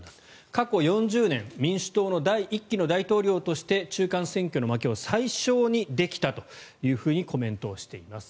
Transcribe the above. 過去４０年民主党の第１期の大統領として中間選挙の負けを最小にできたとコメントをしています。